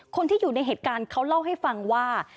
คนที่อยู่ในเหตุการณ์เขาเล่าให้ฟังว่า